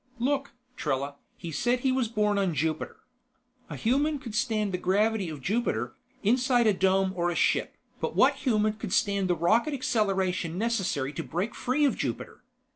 "Look, Trella, he said he was born on Jupiter. A human could stand the gravity of Jupiter, inside a dome or a ship, but what human could stand the rocket acceleration necessary to break free of Jupiter?